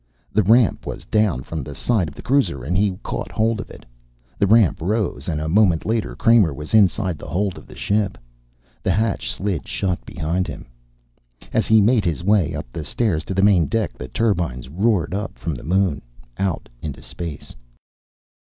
The ramp was down from the side of the cruiser and he caught hold of it. The ramp rose, and a moment later Kramer was inside the hold of the ship. The hatch slid shut behind him. As he made his way up the stairs to the main deck the turbines roared up from the moon, out into space.